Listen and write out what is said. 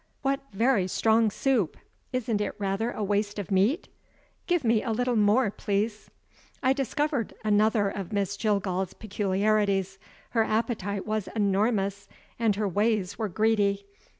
What very strong soup! Isn't it rather a waste of meat? Give me a little more, please." I discovered another of Miss Jillgall's peculiarities. Her appetite was enormous, and her ways were greedy.